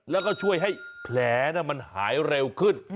แล้วก็ช่วยให้แผลมันหายเร็วขึ้น